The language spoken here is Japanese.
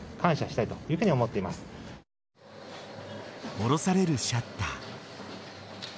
下ろされるシャッター。